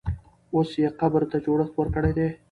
اوس یې قبر ته جوړښت ورکړی دی.